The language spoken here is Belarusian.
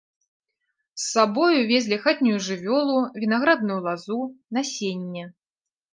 З сабою везлі хатнюю жывёлу, вінаградную лазу, насенне.